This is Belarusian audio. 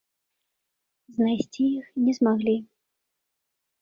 Знайсці іх не змаглі.